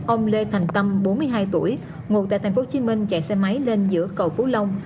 ông lê thành tâm bốn mươi hai tuổi ngụ tại tp hcm chạy xe máy lên giữa cầu phú long